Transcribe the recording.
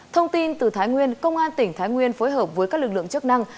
thông tin từ thái nguyên công an tỉnh thái nguyên phối hợp với các lực lượng chức năng